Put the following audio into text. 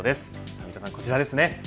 三田さん、こちらです。